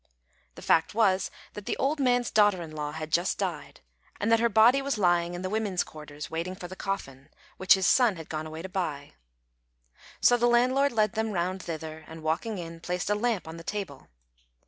The fact was that the old man's daughter in law had just died, and that her body was lying in the women's quarters, waiting for the coffin, which his son had gone away to buy. So the landlord led them round thither, and walking in, placed a lamp on the table.